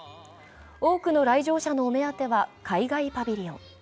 多くの来場者のお目当ては海外パビリオン。